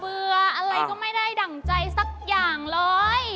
เบื่ออะไรก็ไม่ได้ดั่งใจสักอย่างเลย